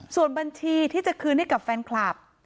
ส่วนบัญชีที่จะคืนให้กับแฟนคลับ